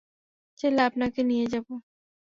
চাইলে আপনাকে নিয়ে যাবো।